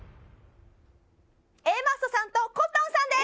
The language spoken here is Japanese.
Ａマッソさんとコットンさんです！